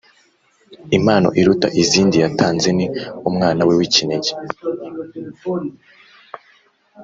Impano iruta izindi yatanze, ni ‘Umwana we w’ikinege